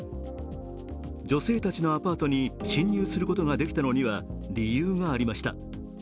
女性たちのアパートに侵入することができたのには理由がありました。